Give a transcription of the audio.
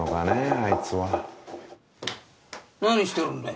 あいつは・何してるんだい